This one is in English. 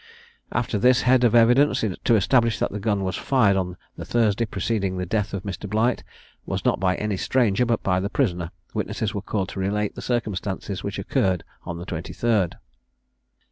After this head of evidence, to establish that the gun fired on the Thursday preceding the death of Mr. Blight, was not by any stranger, but by the prisoner, witnesses were called to relate the circumstances which occurred on the 23rd.